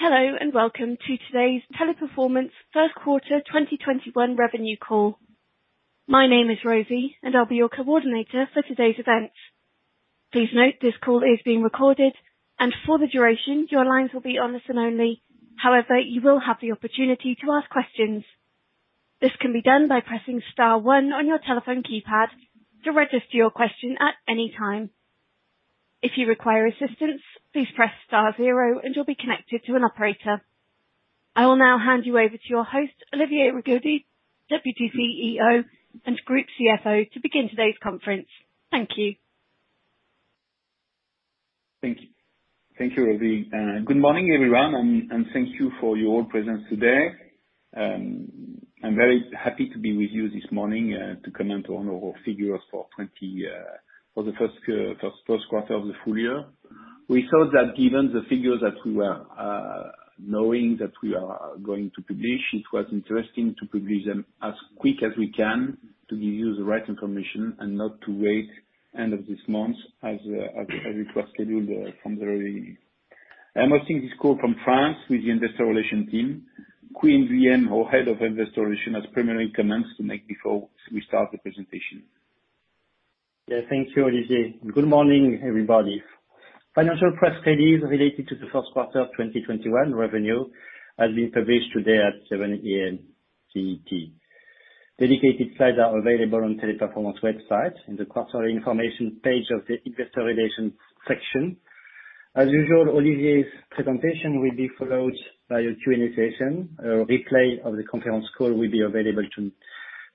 Hello, and welcome to today's Teleperformance first quarter 2021 revenue call. My name is Rosie, and I'll be your coordinator for today's event. Please note this call is being recorded, and for the duration, your lines will be on listen only. However, you will have the opportunity to ask questions. This can be done by pressing star one on your telephone keypad to register your question at any time. If you require assistance, please press star zero and you'll be connected to an operator. I will now hand you over to your host, Olivier Rigaudy, Deputy CEO and Group CFO, to begin today's conference. Thank you. Thank you, Rosie. Good morning, everyone, and thank you for your presence today. I'm very happy to be with you this morning to comment on our figures for the first quarter of the full year. We thought that given the figures that we are knowing that we are going to publish, it was interesting to publish them as quick as we can to give you the right information and not to wait end of this month, as it was scheduled from the beginning. I'm hosting this call from France with the Investor Relations team. Quy Nguyen-Ngoc, Head of Investor Relations, has preliminary comments to make before we start the presentation. Yeah, thank you, Olivier. Good morning, everybody. Financial press release related to the first quarter of 2021 revenue has been published today at 7:00 A.M. CET. Dedicated slides are available on Teleperformance website in the quarterly information page of the investor relations section. As usual, Olivier's presentation will be followed by a Q&A session. A replay of the conference call will be available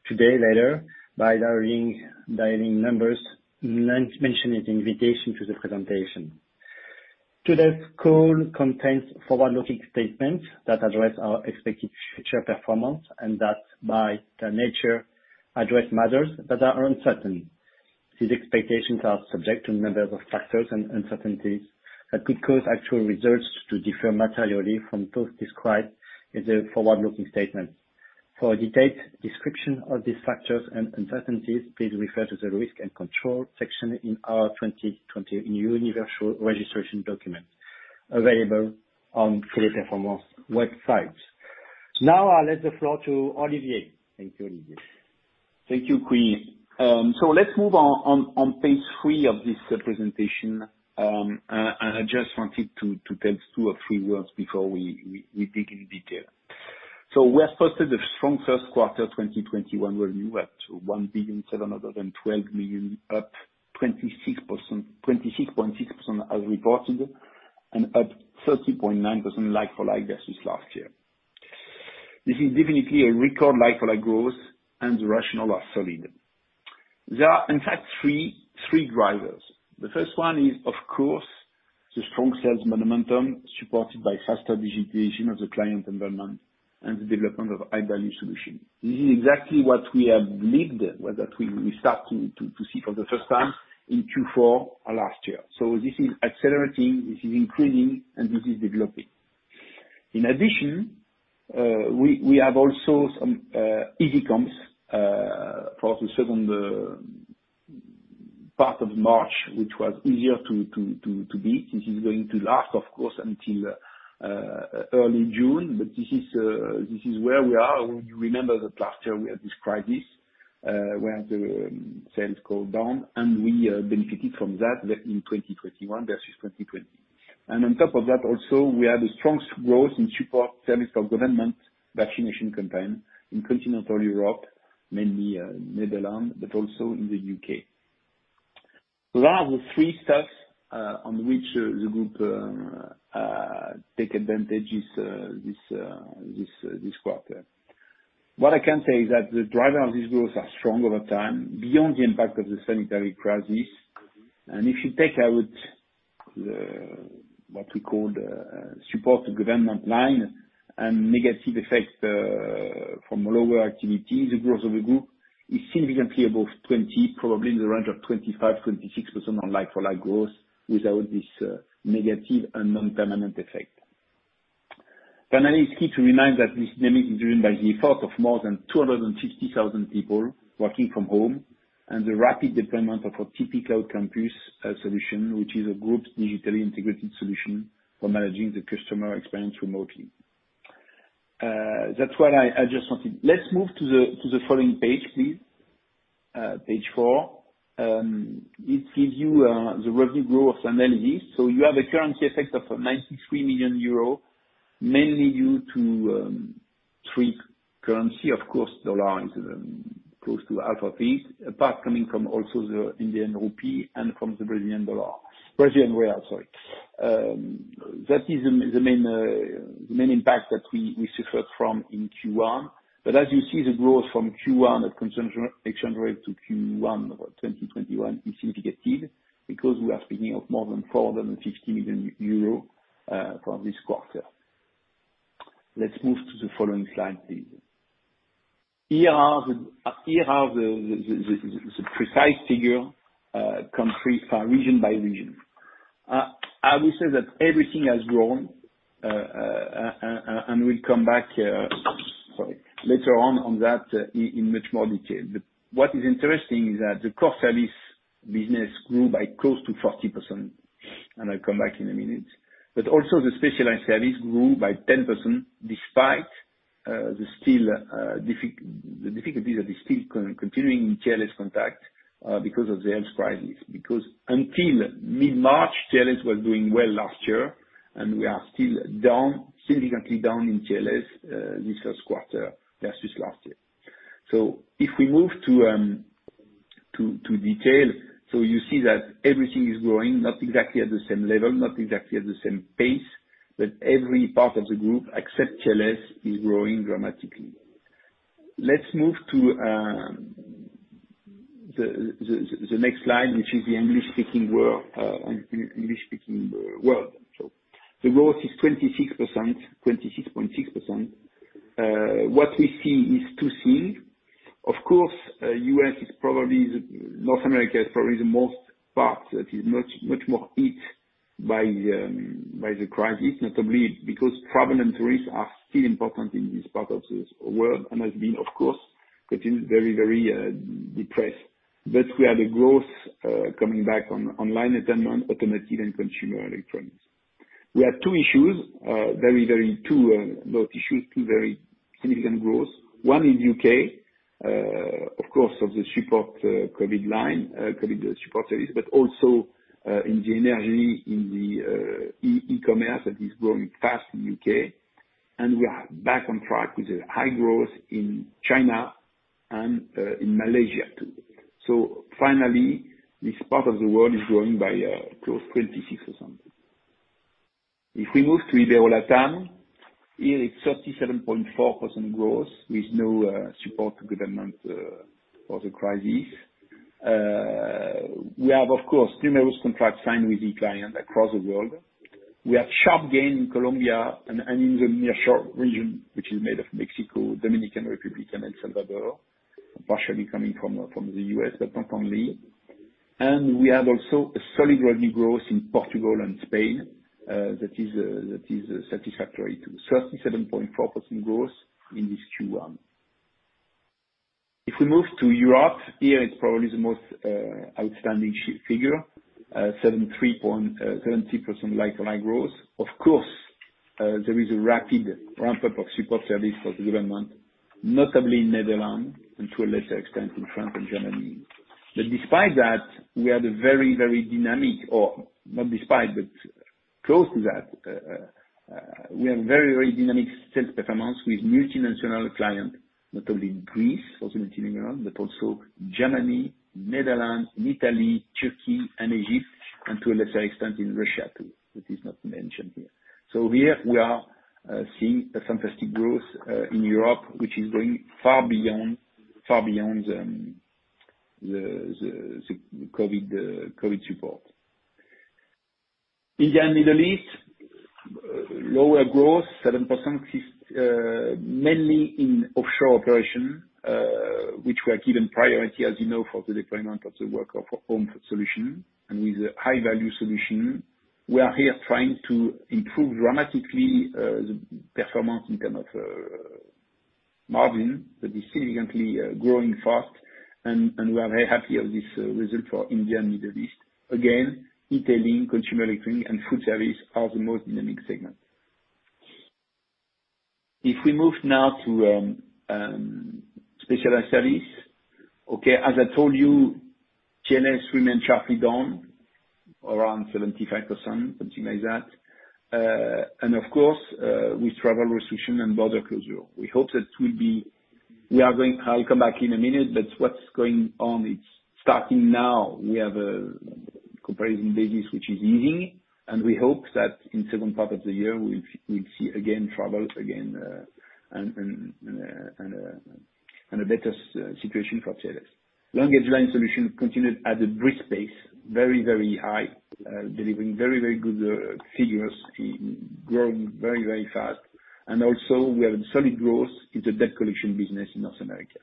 today later by the dial-in numbers mentioned in the invitation to the presentation. Today's call contains forward-looking statements that address our expected future performance and that, by their nature, address matters that are uncertain. These expectations are subject to a number of factors and uncertainties that could cause actual results to differ materially from those described in the forward-looking statement. For a detailed description of these factors and uncertainties, please refer to the risk and control section in our 2020 universal registration document available on Teleperformance website. Now I'll let the floor to Olivier. Thank you, Olivier. Thank you, Quy. Let's move on page three of this presentation. I just wanted to tell two or three words before we dig in detail. We have posted a strong first quarter 2021 revenue at 1,712 million, up 26.6% as reported and up 30.9% like-for-like versus last year. This is definitely a record like-for-like growth and the rationale are solid. There are, in fact, three drivers. The first one is, of course, the strong sales momentum supported by faster digitization of the client environment and the development of high-value solution. This is exactly what we have believed, well, that we start to see for the first time in Q4 of last year. This is accelerating, this is increasing, and this is developing. In addition, we have also some easy comps for the second part of March, which was easier to beat. This is going to last, of course, until early June. This is where we are. You remember that last year we have described this, where the sales go down, and we benefited from that in 2021 versus 2020. On top of that, also, we have a strong growth in support service for government vaccination campaign in continental Europe, mainly Netherlands, but also in the U.K. Those are the three steps on which the group take advantage this quarter. What I can say is that the driver of this growth are strong over time, beyond the impact of the sanitary crisis. If you take out the, what we call the support to government line and negative effect from lower activity, the growth of the group is significantly above 20%, probably in the range of 25%, 26% on like-for-like growth without this negative and non-permanent effect. Finally, it's key to remind that this dynamic is driven by the effort of more than 260,000 people working from home and the rapid deployment of our TP Cloud Campus solution, which is a group digitally integrated solution for managing the customer experience remotely. That's what I just wanted. Let's move to the following page, please. Page four. This gives you the revenue growth analysis. You have a currency effect of 93 million euro, mainly due to three currency. Of course, dollar is close to half of this. A part coming from also the Indian rupee and from the Brazilian real. Brazilian real, sorry. That is the main impact that we suffered from in Q1. As you see, the growth from Q1 at constant exchange rate to Q1 of 2021 is significant because we are speaking of more than 450 million euros from this quarter. Let's move to the following slide, please. Here are the precise figure, region by region. I will say that everything has grown, we'll come back later on that in much more detail. What is interesting is that the core service business grew by close to 40%, and I'll come back in a minute. Also, the Specialized Services grew by 10%, despite the difficulties that are still continuing in TLScontact because of the health crisis, because until mid-March, TLS was doing well last year, we are still significantly down in TLS this first quarter, versus last year. If we move to detail, you see that everything is growing, not exactly at the same level, not exactly at the same pace, but every part of the group, except TLS, is growing dramatically. Let's move to the next slide, which is the English-speaking world. The growth is 26.6%. What we see is two things. North America is probably the most part that is much more hit by the crisis, notably because travel and tourism are still important in this part of the world, and has been, of course, but is very depressed. We have the growth coming back online, entertainment, automotive, and consumer electronics. We have two very significant growth. One in U.K., of course, of the support COVID line, COVID support service, but also in the energy, in the e-commerce that is growing fast in U.K. We are back on track with the high growth in China and in Malaysia, too. Finally, this part of the world is growing by close to 26% or something. If we move to Ibero-LATAM, here it's 37.4% growth with no support government for the crisis. We have, of course, numerous contracts signed with the client across the world. We have sharp gain in Colombia and in the nearshore region, which is made of Mexico, Dominican Republic, and El Salvador, partially coming from the U.S., but not only. We have also a solid revenue growth in Portugal and Spain. That is satisfactory to the 37.4% growth in this Q1. If we move to Europe, here it's probably the most outstanding figure, 73.7% like-for-like growth. Of course, there is a rapid ramp-up of support service for the government, notably in Netherlands, and to a lesser extent in France and Germany. Despite that, or, not despite, but close to that, we have very dynamic sales performance with multinational clients, not only in Greece, also [multilingual], but also Germany, Netherlands, Italy, Turkey, and Egypt, and to a lesser extent, in Russia, too. That is not mentioned here. Here we are seeing a fantastic growth in Europe, which is going far beyond the COVID support. India and Middle East, lower growth, 7%, mainly in offshore operation, which were given priority, as you know, for the deployment of the work-from-home solution. With a high-value solution, we are here trying to improve dramatically, the performance in term of margin, but is significantly growing fast, and we are very happy of this result for India and Middle East. Again, retailing, consumer electronics, and food service are the most dynamic segments. If we move now to Specialized Service. As I told you, TLS remains sharply down, around 75%, something like that. Of course, with travel restriction and border closure. I'll come back in a minute, but what's going on, it's starting now. We have a comparison basis, which is easing, and we hope that in second part of the year, we'll see travel again, and a better situation for TLS. LanguageLine Solutions continued at a brisk pace, very high, delivering very good figures, growing very fast. Also we have solid growth in the debt collection business in North America.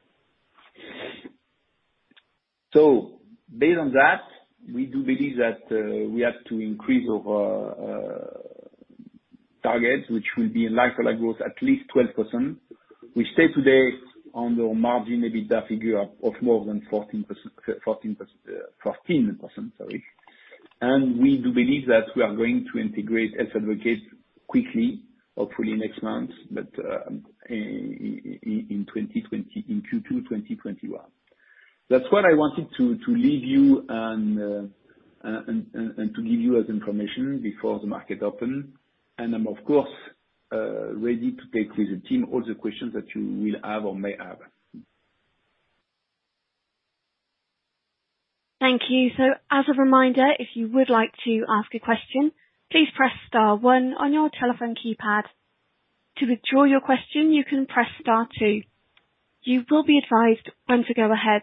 Based on that, we do believe that we have to increase our target, which will be in like-for-like growth at least 12%. We stay today on the margin, maybe the figure of more than 15%, sorry. We do believe that we are going to integrate Health Advocate quickly, hopefully next month, but in Q2 2021. That's what I wanted to leave you and to give you as information before the market open. I'm, of course, ready to take with the team all the questions that you will have or may have. Thank you. As a reminder, if you would like to ask a question, please press star one on your telephone keypad. To withdraw your question, you can press star two. You will be advised when to go ahead.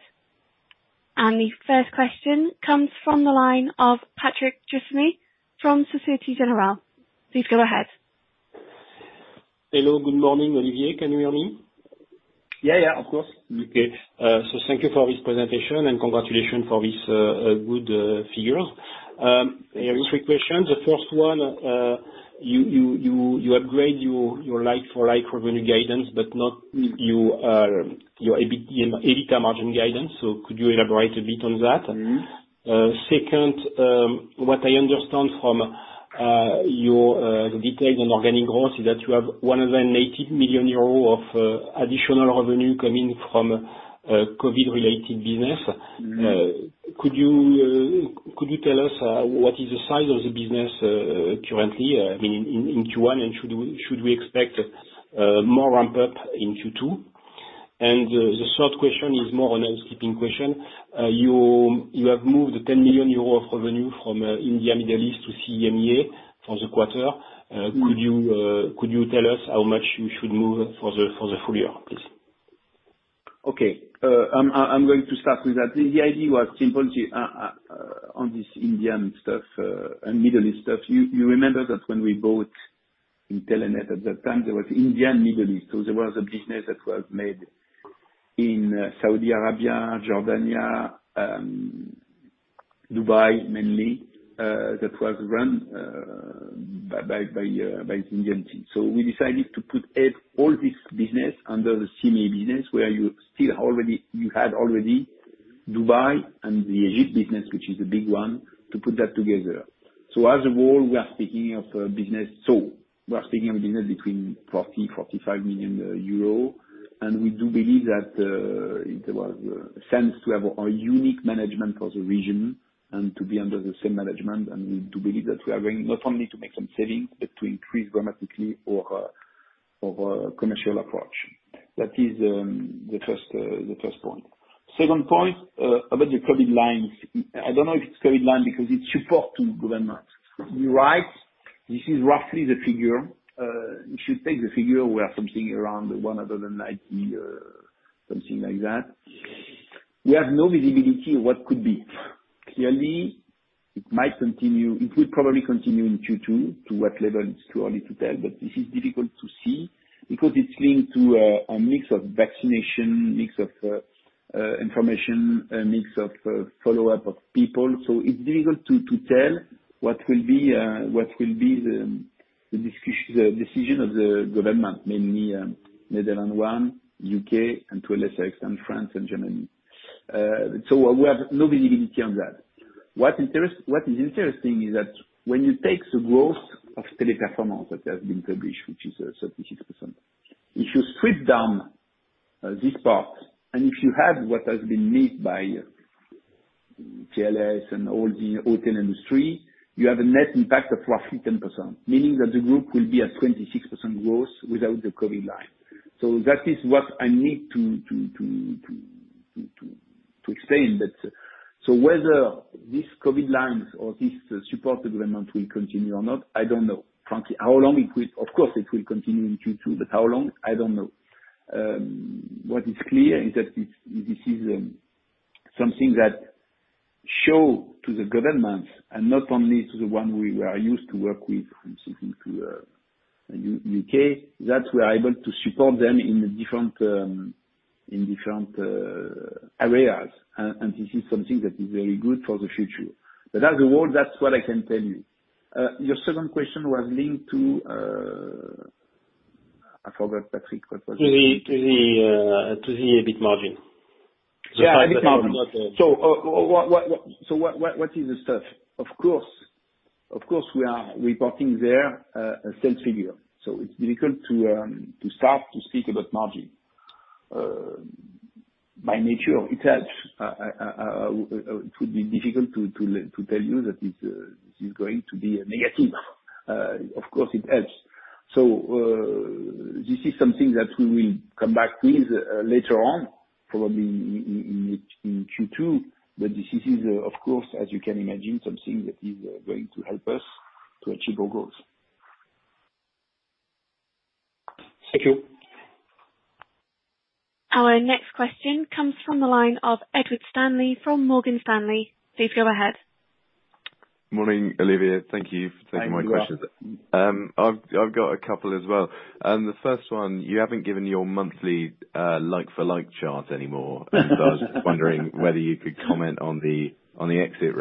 The first question comes from the line of Patrick Jousseaume from Société Générale. Please go ahead. Hello. Good morning, Olivier. Can you hear me? Yeah, of course. Okay. Thank you for this presentation, and congratulations for this good figure. I have three questions. The first one, you upgrade your like-for-like revenue guidance, but not your EBITDA margin guidance. Could you elaborate a bit on that? Second, what I understand from your detail on organic growth is that you have 180 million euros of additional revenue coming from COVID-related business. Could you tell us what is the size of the business currently, in Q1, and should we expect more ramp-up in Q2? The third question is more a housekeeping question. You have moved 10 million euros of revenue from India, Middle East to CEMEA for the quarter. Could you tell us how much you should move for the full year, please? Okay. I'm going to start with that. The idea was simple, on this Indian stuff and Middle East stuff. You remember that when we bought Intelenet, at that time, there was India and Middle East. There was a business that was made in Saudi Arabia, Jordan, Dubai, mainly, that was run by Indian team. We decided to put all this business under the CEMEA business, where you had already Dubai and the Egypt business, which is a big one, to put that together. As a whole, we are speaking of a business between 40 million-45 million euro. We do believe that it was sense to have a unique management for the region and to be under the same management, and to believe that we are going not only to make some savings, but to increase dramatically our commercial approach. That is the first point. Second point, about the COVID lines. I don't know if it's COVID line because it's support to governments. You're right, this is roughly the figure. If you take the figure, we have something around 190 million, something like that. We have no visibility what could be. Clearly, it will probably continue in Q2. To what level, it's too early to tell. This is difficult to see because it's linked to a mix of vaccination, mix of information, a mix of follow-up of people. It's difficult to tell what will be the decision of the government, mainly Netherlands one, U.K., and to a less extent, France and Germany. We have no visibility on that. What is interesting is that when you take the growth of Teleperformance that has been published, which is 36%, if you strip down this part, and if you have what has been made by TLS and all the hotel industry, you have a net impact of roughly 10%, meaning that the group will be at 26% growth without the COVID line. That is what I need to explain that. Whether this COVID lines or this support development will continue or not, I don't know, frankly. Of course it will continue in Q2, but how long? I don't know. What is clear is that this is something that show to the governments, and not only to the one we are used to work with, from Spain to U.K., that we are able to support them in different areas. This is something that is very good for the future. As a whole, that is what I can tell you. Your second question was linked to. I forgot, Patrick, what was the second question? To the EBIT margin. Yeah. What is the stuff? Of course we are reporting there a sales figure. It's difficult to start to speak about margin. By nature, it helps. It would be difficult to tell you that this is going to be a negative. Of course, it helps. This is something that we will come back to later on, probably in Q2. This is, of course, as you can imagine, something that is going to help us to achieve our goals. Thank you. Our next question comes from the line of Edward Stanley from Morgan Stanley. Please go ahead. Morning, Olivier. Thank you for taking my questions. Hi, Edward. I've got a couple as well. The first one, you haven't given your monthly like-for-like chart anymore. I was just wondering whether you could comment on the exit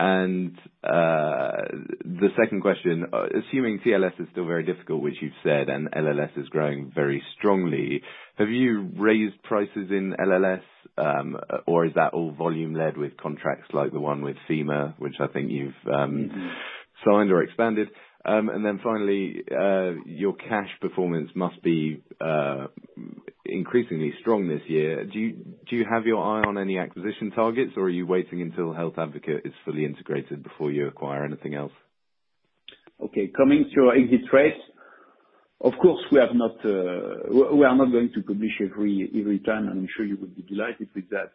rates. The second question, assuming TLS is still very difficult, which you've said, and LLS is growing very strongly, have you raised prices in LLS, or is that all volume-led with contracts like the one with FEMA, which I think you've signed or expanded? Finally, your cash performance must be increasingly strong this year. Do you have your eye on any acquisition targets, or are you waiting until Health Advocate is fully integrated before you acquire anything else? Okay. Coming to our exit rates. Of course, we are not going to publish every time, and I'm sure you would be delighted with that,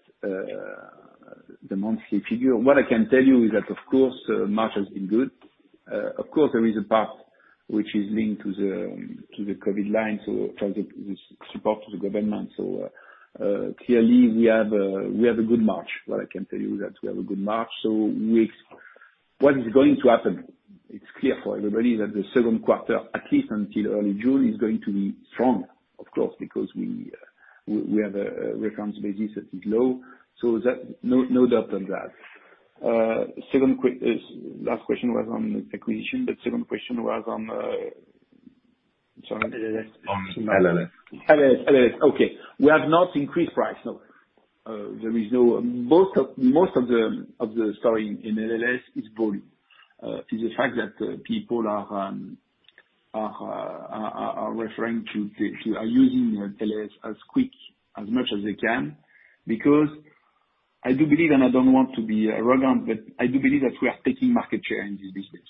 the monthly figure. What I can tell you is that, of course, March has been good. Of course, there is a part which is linked to the COVID line, so from the support to the government. Clearly, we have a good March. What I can tell you is that we have a good March. What is going to happen? It's clear for everybody that the second quarter, at least until early June, is going to be strong, of course, because we have a reference basis that is low. No doubt on that. Last question was on the acquisition, second question was on? On LLS. LLS. Okay. We have not increased price, no. Most of the story in LLS is volume. Is the fact that people are referring to, are using LLS as quick, as much as they can. I do believe, and I don't want to be arrogant, but I do believe that we are taking market share in this business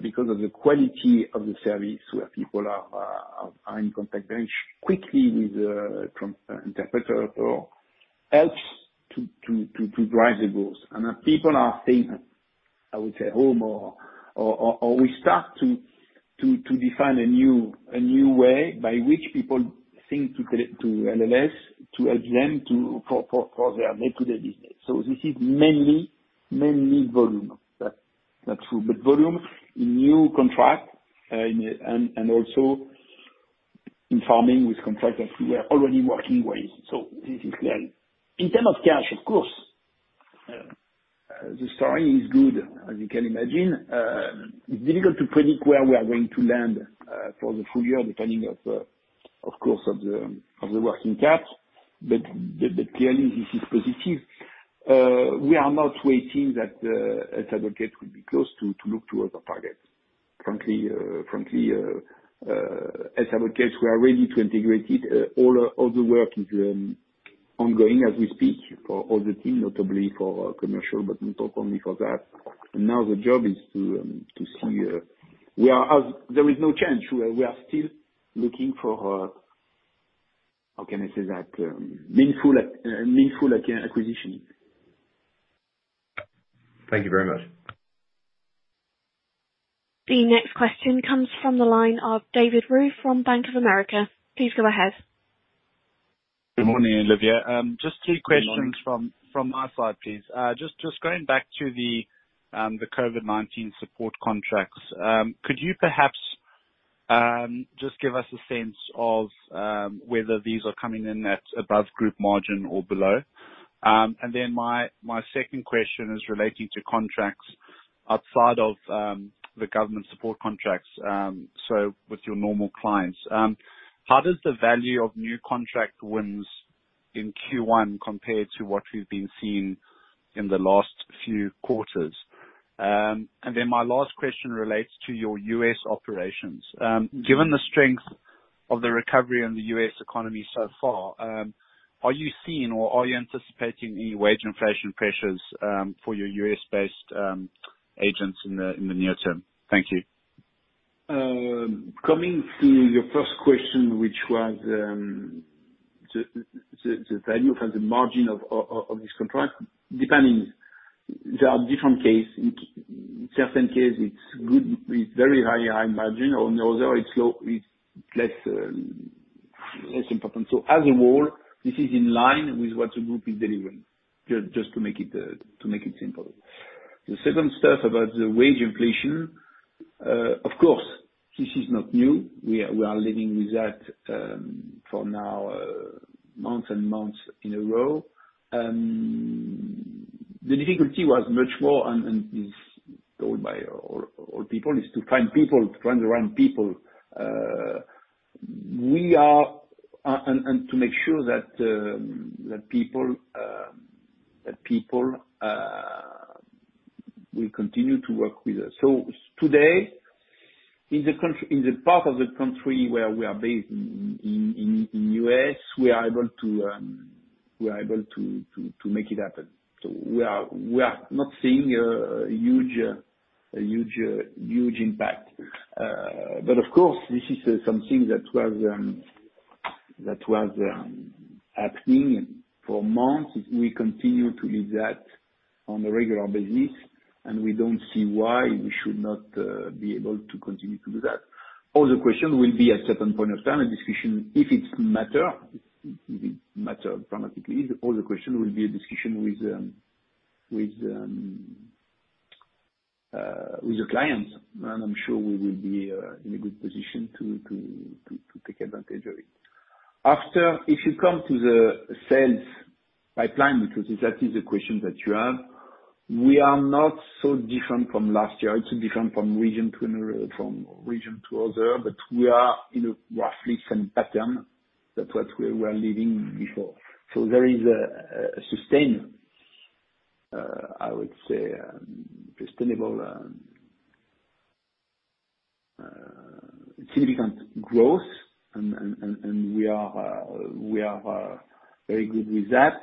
because of the quality of the service, where people are in contact very quickly with interpreter or helps to drive the growth. People are staying, I would say, home, or we start to define a new way by which people think to LLS to help them for their day-to-day business. This is mainly volume. That's true. Volume, new contract, and also informing with contract that we are already working with. This is clear. In terms of cash, of course. The story is good, as you can imagine. It's difficult to predict where we are going to land for the full year, depending, of course, of the working caps. Clearly, this is positive. We are not waiting that, Health Advocate, we'll be close to look to other targets. Frankly, Health Advocate, we are ready to integrate it. All the work is ongoing as we speak for all the team, notably for commercial, but not only for that. Now the job is to see. There is no change. We are still looking for, how can I say that? Meaningful acquisition. Thank you very much. The next question comes from the line of David Roux from Bank of America. Please go ahead. Good morning, Olivier. Just two questions- Good morning. -from my side, please. Just going back to the COVID-19 support contracts. Could you perhaps just give us a sense of whether these are coming in at above group margin or below? My second question is relating to contracts outside of the government support contracts, so with your normal clients. How does the value of new contract wins in Q1 compare to what we've been seeing in the last few quarters? My last question relates to your U.S. operations. Given the strength of the recovery in the U.S. economy so far, are you seeing or are you anticipating any wage inflation pressures for your U.S.-based agents in the near term? Thank you. Coming to your first question, which was the value from the margin of this contract. Depending, there are different cases. In certain cases, it's very high margin. On the other, it's less important. As a whole, this is in line with what the group is delivering, just to make it simple. The second stuff about the wage inflation, of course, this is not new. We are living with that for now, months and months in a row. The difficulty was much more, and is told by all people, is to find people, to run around people. To make sure that people will continue to work with us. Today, in the part of the country where we are based in U.S., we are able to make it happen. We are not seeing a huge impact. Of course, this is something that was happening for months. We continue to live that on a regular basis, and we don't see why we should not be able to continue to do that. Other question will be at certain point of time, a discussion, if it matter dramatically, the other question will be a discussion with the clients. I'm sure we will be in a good position to take advantage of it. After, if you come to the sales pipeline, because that is the question that you have, we are not so different from last year. It's different from region to other, but we are in a roughly same pattern that what we were living before. There is a sustainable, significant growth, and we are very good with that.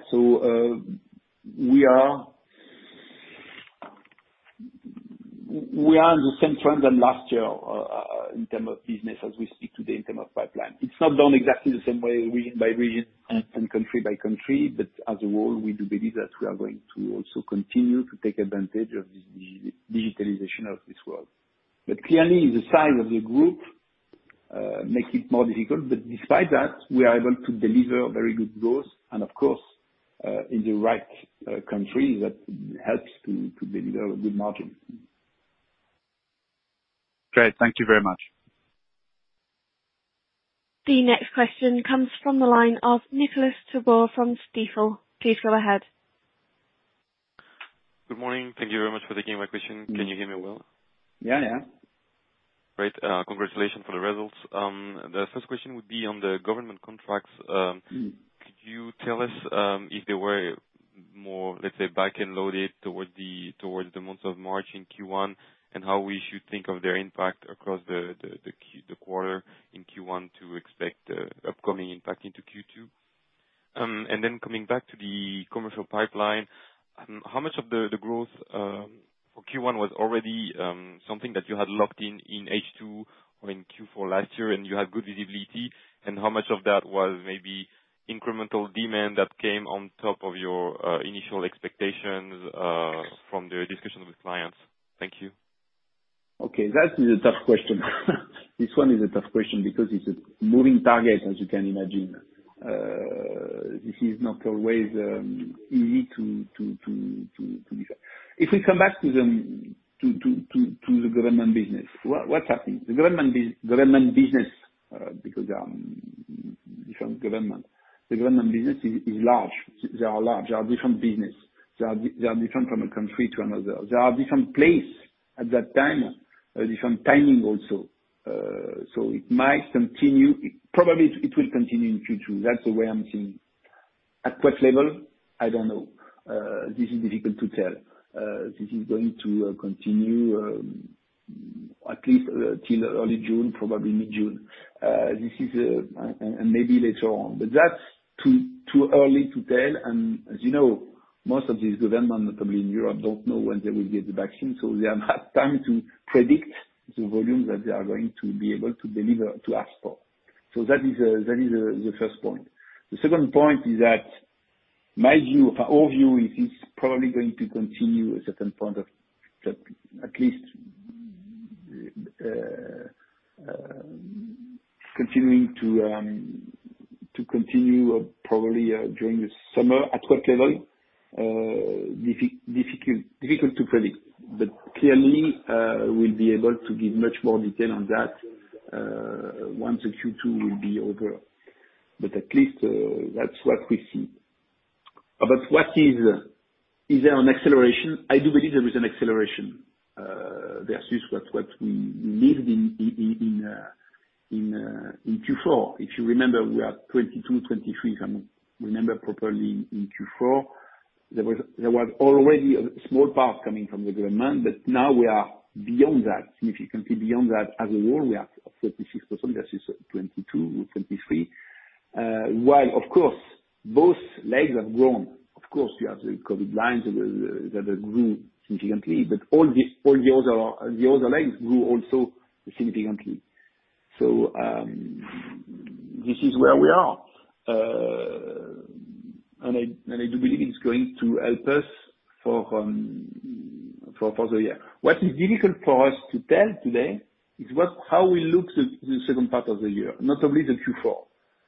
We are in the same trend than last year in term of business as we speak today, in term of pipeline. It's not done exactly the same way region by region and country by country, as a whole, we do believe that we are going to also continue to take advantage of this business digitalization of this world. Clearly, the size of the group makes it more difficult. Despite that, we are able to deliver very good growth, and of course, in the right countries, that helps to deliver a good margin. Great. Thank you very much. The next question comes from the line of Nicolas Tabor from Stifel. Please go ahead. Good morning. Thank you very much for taking my question. Can you hear me well? Yeah. Great. Congratulations for the results. The first question would be on the government contracts. Could you tell us if there were more, let's say, back-end loaded towards the month of March in Q1? How we should think of their impact across the quarter in Q1 to expect the upcoming impact into Q2. Coming back to the commercial pipeline, how much of the growth, for Q1, was already something that you had locked in H2 or in Q4 last year, and you had good visibility? How much of that was maybe incremental demand that came on top of your initial expectations from the discussions with clients? Thank you. Okay. That is a tough question. This one is a tough question because it's a moving target, as you can imagine. This is not always easy to decide. If we come back to the government business, what's happening? The government business, because there are different governments. The government business is large. They are large. They are different business. They are different from a country to another. They are different place at that time, different timing also. It might continue. Probably it will continue in Q2. That's the way I'm seeing. At what level? I don't know. This is difficult to tell. This is going to continue at least till early June, probably mid-June. Maybe later on. That's too early to tell, and as you know, most of these government, probably in Europe, don't know when they will get the vaccine, so they have time to predict the volume that they are going to be able to deliver, to ask for. That is the first point. The second point is that my view, our view, it is probably going to continue a certain point of at least continuing to continue probably during the summer. At what level? Difficult to predict. Clearly, we'll be able to give much more detail on that once the Q2 will be over. At least, that's what we see. Is there an acceleration? I do believe there is an acceleration versus what we lived in Q4. If you remember, we are 22%, 23%, if I remember properly, in Q4. There was already a small part coming from the government, but now we are beyond that, significantly beyond that. As a whole, we are 36% versus 22%, 23%. While, of course, both legs have grown. Of course, we have the COVID lines that have grew significantly. All the other legs grew also significantly. This is where we are. I do believe it's going to help us for the year. What is difficult for us to tell today is how we look the second part of the year, not only the Q4.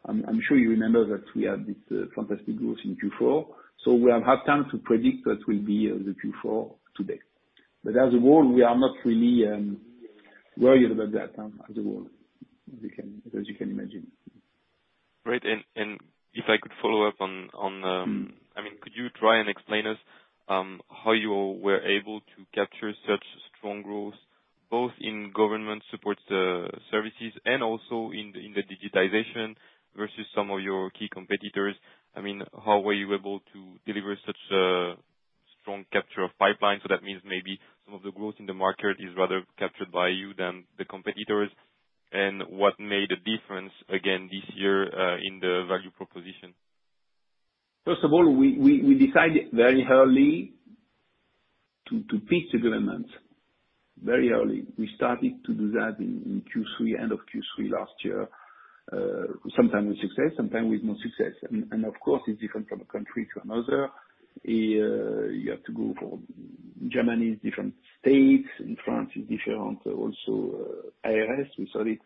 I'm sure you remember that we had this fantastic growth in Q4, so we have had time to predict what will be the Q4 today. As a whole, we are not really worried about that, as a whole, as you can imagine. Great. Could you try and explain us how you were able to capture such strong growth, both in government support services and also in the digitization versus some of your key competitors? How were you able to deliver such a strong capture of pipeline? That means maybe some of the growth in the market is rather captured by you than the competitors. What made the difference, again, this year, in the value proposition? We decided very early to pitch the government. Very early. We started to do that in Q3, end of Q3 last year. Sometime with success, sometime with no success. Of course, it's different from a country to another. You have to go for Germany's different states. In France, it's different also, ARS. We saw this.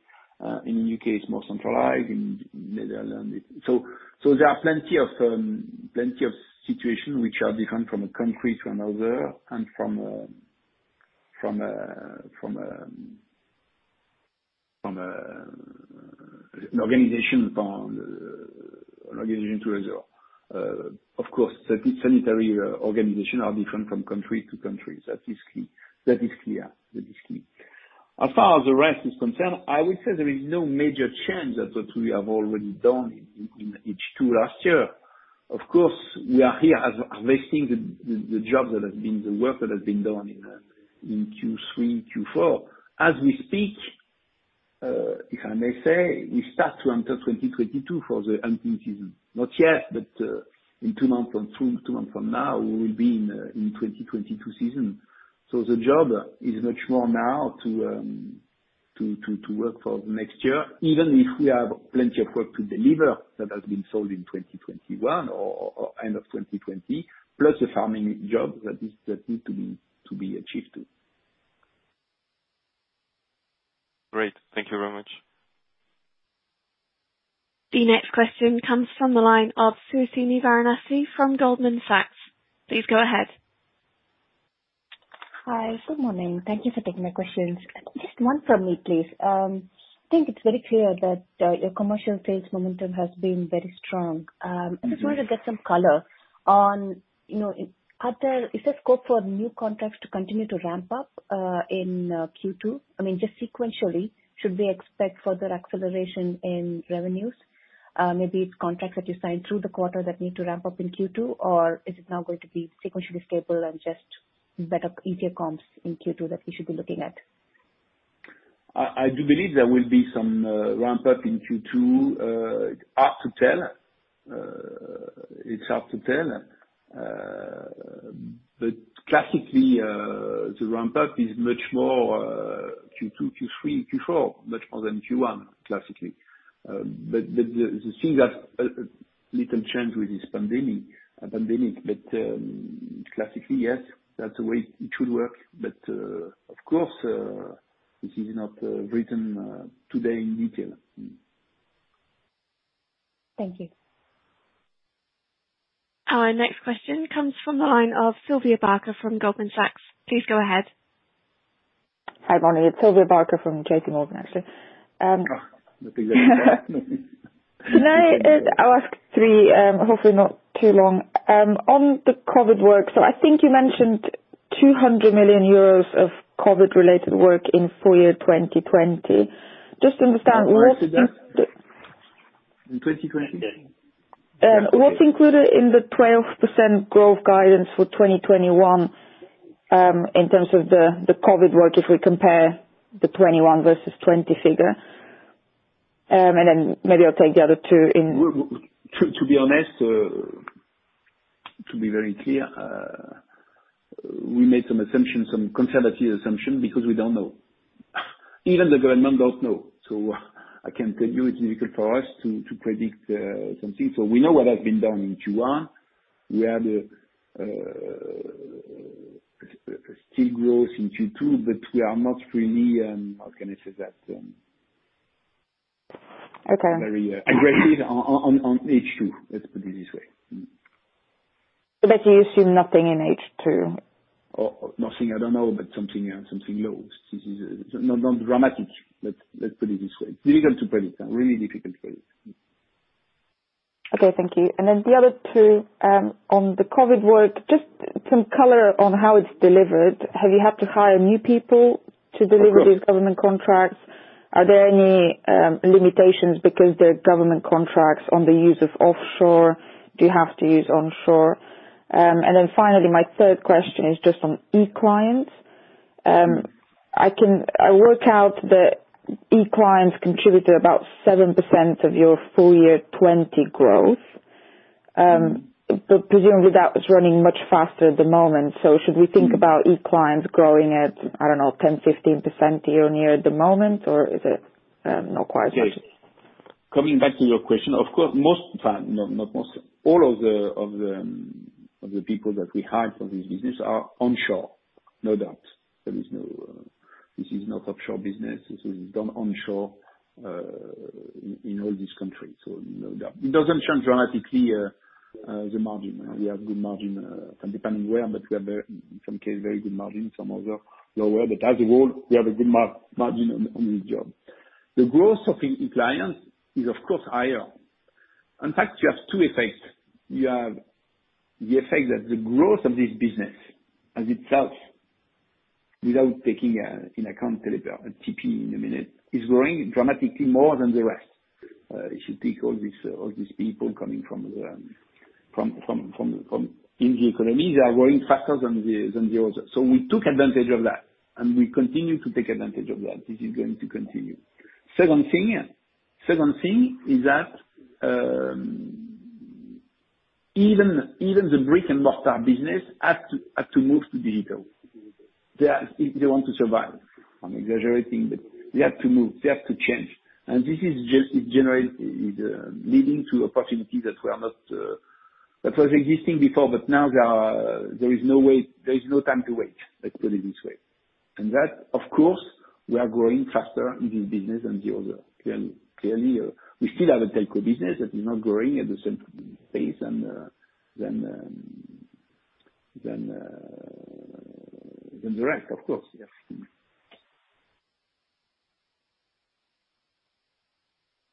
In U.K., it's more centralized, in Netherlands. There are plenty of situations which are different from a country to another and from an organization to another. Of course, sanitary organization are different from country to country. That is clear. As far as the rest is concerned, I would say there is no major change that we have already done in H2 last year. We are here investing the work that has been done in Q3, Q4. As we speak, if I may say, we start to enter 2022 for the hunting season. Not yet, but in two months from now, we will be in 2022 season. The job is much more now to work for next year, even if we have plenty of work to deliver that has been sold in 2021 or end of 2020, plus the farming job that needs to be achieved too. Great. Thank you very much. The next question comes from the line of Suhasini Varanasi from Goldman Sachs. Please go ahead. Hi. Good morning. Thank you for taking my questions. Just one from me, please. I think it's very clear that your commercial sales momentum has been very strong. I just wanted to get some color on, is there scope for new contracts to continue to ramp up, in Q2? Just sequentially, should we expect further acceleration in revenues? Maybe it's contracts that you signed through the quarter that need to ramp up in Q2, or is it now going to be sequentially stable and just better, easier comps in Q2 that we should be looking at? I do believe there will be some ramp up in Q2. Hard to tell. Classically, the ramp up is much more Q2, Q3, Q4, much more than Q1, classically. The thing that little changed with this pandemic. Classically, yes, that's the way it should work. Of course, this is not written today in detail. Thank you. Our next question comes from the line of Sylvia Barker from Goldman Sachs. Please go ahead. Hi, Olivier. Sylvia Barker from JPMorgan, actually. Oh. Nothing like that. Today, I'll ask three, hopefully not too long. On the COVID work, I think you mentioned 200 million euros of COVID related work in full year 2020. In 2020? What's included in the 12% growth guidance for 2021, in terms of the COVID work, if we compare the 2021 versus 2020 figure? Maybe I'll take the other two. To be honest, to be very clear, we made some assumptions, some conservative assumption, because we don't know. Even the government doesn't know. I can tell you it's difficult for us to predict something. We know what has been done in Q1. We have still growth in Q2, but we are not really, how can I say that? Okay. Very aggressive on H2. Let's put it this way. You assume nothing in H2? Nothing I don't know, but something low. Not dramatic, let's put it this way. Difficult to predict. Really difficult to predict. Okay, thank you. The other two, on the COVID work, just some color on how it's delivered. Have you had to hire new people to deliver- Of course. -these government contracts? Are there any limitations because they are government contracts on the use of offshore? Do you have to use onshore? Finally, my third question is just on e-clients. I work out that e-clients contribute to about 7% of your full year 2020 growth. Presumably that was running much faster at the moment. Should we think about e-clients growing at, I don't know, 10%, 15% year-on-year at the moment? Yes. Coming back to your question, of course, all of the people that we hired for this business are onshore. No doubt. This is not offshore business. This is done onshore in all these countries, no doubt. It doesn't change dramatically, the margin. We have good margin, depending where, we have, in some case, very good margin, some other lower. As a whole, we have a good margin on this job. The growth of e-clients is of course higher. In fact, you have two effects. You have the effect that the growth of this business as itself, without taking into account TP in a minute, is growing dramatically more than the rest. If you take all these people coming from Indian economy, they are growing faster than the others. We took advantage of that, and we continue to take advantage of that. This is going to continue. Second thing is that, even the brick and mortar business had to move to digital if they want to survive. I'm exaggerating, but they have to move, they have to change. This is leading to opportunities that were existing before, but now there is no time to wait. Let's put it this way. That, of course, we are growing faster in this business than the other. Clearly, we still have a telco business that is not growing at the same pace than the rest, of course. Yes.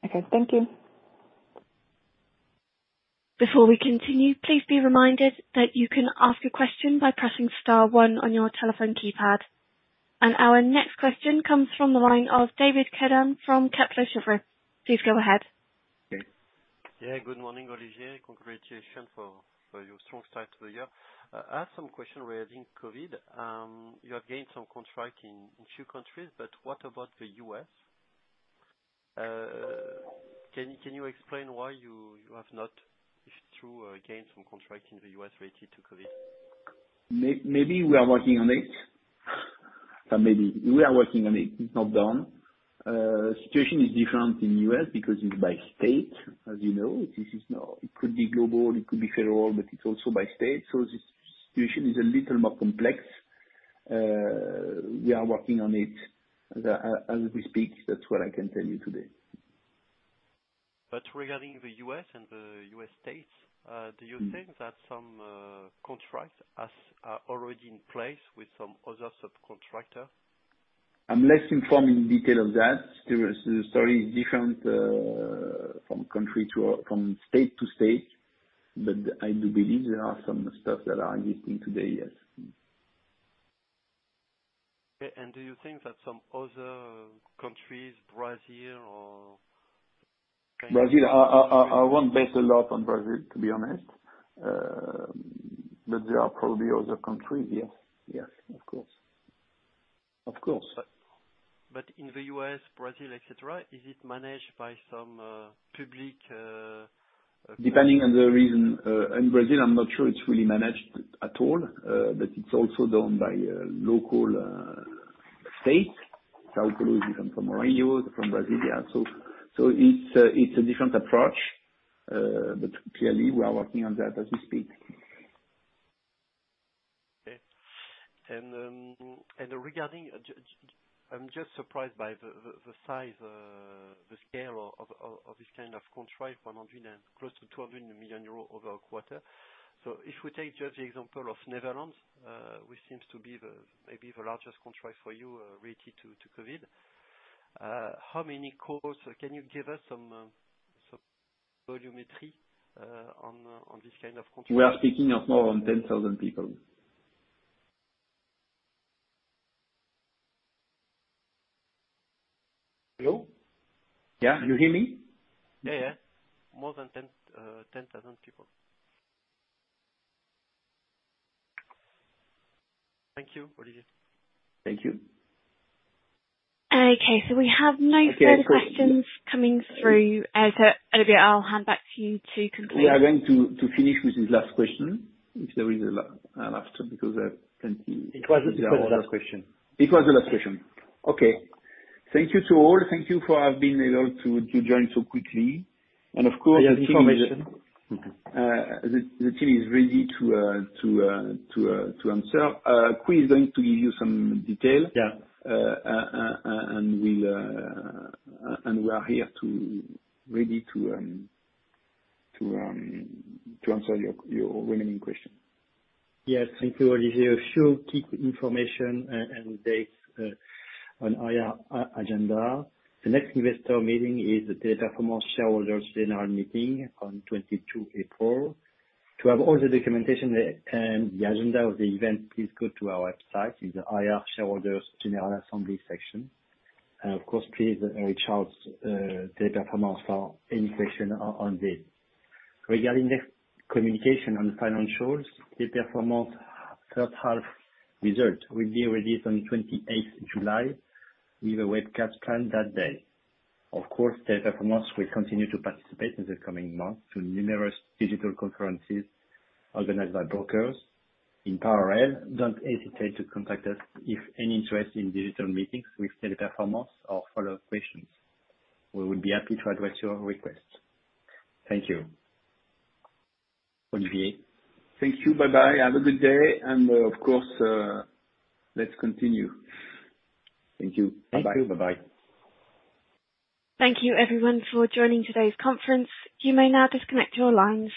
Okay. Thank you. Before we continue, please be reminded that you can ask a question by pressing star one on your telephone keypad. Our next question comes from the line of David Cerdan from Kepler Cheuvreux. Please go ahead. Okay. Yeah, good morning, Olivier. Congratulations for your strong start to the year. I have some question regarding COVID. You have gained some contract in two countries, but what about the U.S.? Can you explain why you have not issued gains from contracts in the U.S. related to COVID? Maybe we are working on it. Maybe. We are working on it. It's not done. Situation is different in U.S. because it's by state, as you know. It could be global, it could be federal, but it's also by state. The situation is a little more complex. We are working on it as we speak. That's what I can tell you today. Regarding the U.S. and the U.S. states, do you think that some contracts are already in place with some other subcontractor? I'm less informed in detail of that. The story is different from state to state. I do believe there are some stuff that are existing today, yes. Okay. Do you think that some other countries, Brazil or-? Brazil, I won't bet a lot on Brazil, to be honest. There are probably other countries, yes. Of course. In the U.S., Brazil, et cetera, is it managed by some public-? Depending on the region. In Brazil, I'm not sure it's really managed at all, but it's also done by local states. São Paulo is different from Rio, different from Brasilia. It's a different approach, but clearly we are working on that as we speak. Okay. I'm just surprised by the size, the scale of this kind of contract, close to 200 million euros over a quarter. If we take just the example of Netherlands, which seems to be maybe the largest contract for you related to COVID, how many calls? Can you give us some volumetry on this kind of contract? We are speaking of more than 10,000 people. Hello? Yeah. Can you hear me? Yeah. More than 10,000 people. Thank you, Olivier. Thank you. Okay, we have no further questions coming through. Olivier, I'll hand back to you to conclude. We are going to finish with this last question, if there is a last one. It was the last question. It was the last question. Okay. Thank you to all. Thank you for being able to join so quickly. The information. The team is ready to answer. Quy is going to give you some detail. Yeah. We are here, ready to answer your remaining questions. Yes. Thank you, Olivier. A few key information and dates on our agenda. The next investor meeting is the Teleperformance shareholders' general meeting on 22 April. To have all the documentation and the agenda of the event, please go to our website in the IR shareholders' general assembly section. Of course, please reach out to Teleperformance for any question on it. Regarding the communication on financials, Teleperformance first half results will be released on 28th July with a webcast planned that day. Of course, Teleperformance will continue to participate in the coming months to numerous digital conferences organized by brokers. In parallel, don't hesitate to contact us if any interest in digital meetings with Teleperformance or follow-up questions. We will be happy to address your request. Thank you. Olivier? Thank you. Bye-bye. Have a good day. Of course, let's continue. Thank you. Bye-bye. Thank you. Bye-bye. Thank you everyone for joining today's conference. You may now disconnect your lines.